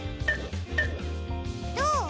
どう？